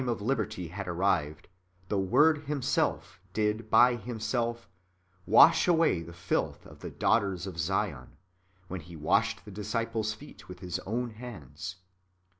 of liberty had arrived, the Word Himself did by Himself " wash away the filth of the daughters of Zion," ^ when He washed the disciples' feet with His own hands.